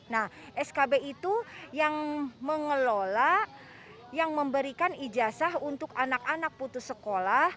nah skb itu yang mengelola yang memberikan ijazah untuk anak anak putus sekolah